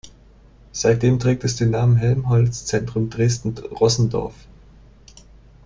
Seitdem trägt es den Namen "Helmholtz-Zentrum Dresden-Rossendorf".